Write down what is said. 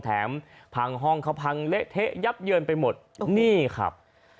พังห้องเขาพังเละเทะยับเยินไปหมดนี่ครับ